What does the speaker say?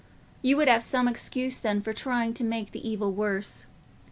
You would have some excuse then for trying to make the evil worse.